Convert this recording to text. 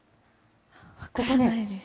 分からないです。